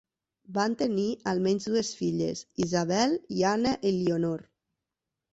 Van tenir almenys dues filles, Isabel i Anna Elionor.